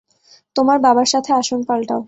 তোমার বাবার সাথে আসন পাল্টাও।